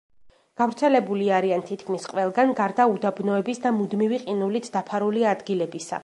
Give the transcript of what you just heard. გავრცელებული არიან თითქმის ყველგან, გარდა უდაბნოების და მუდმივი ყინულით დაფარული ადგილებისა.